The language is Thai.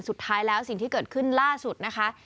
สิ่งที่เกิดขึ้นล่าสุดนะคะ